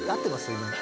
今の。